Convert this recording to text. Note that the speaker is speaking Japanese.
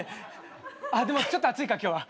あっでもちょっと暑いか今日は。